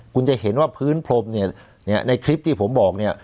คุณจะเห็นว่าพื้นพรมเนี่ยในคลิปที่ผมบอกเนี่ย